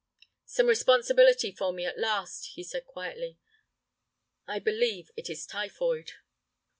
"Some responsibility for me at last," he said, quietly; "I believe it is typhoid."